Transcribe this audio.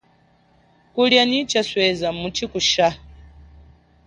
Kulia nyi chasweza, muchikushaha.